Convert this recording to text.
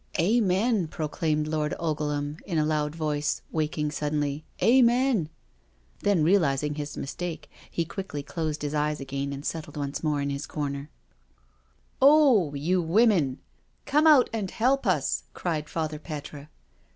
" Amen I " proclaimed Lord Ogleham in a loud voice, waking suddenly, " Amen I " Then realising his mis take, he quickly closed his eyes again and settled once more in his comer. "Oh I you women, come out and help us," cried Father Petre.